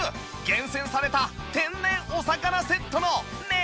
厳選された天然お魚セットの値段は？